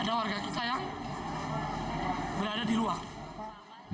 ada warga kita yang berada di luar